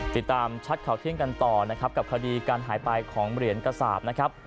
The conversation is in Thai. ติดตามชัดข่าวเที่ยงกันต่อนะครับกับคดีการหายไปของเหรียญกระสาปนะครับ